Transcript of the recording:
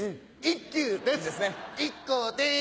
ＩＫＫＯです